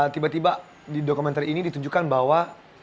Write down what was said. tiba tiba di dokumenter ini ditunjukkan bahwa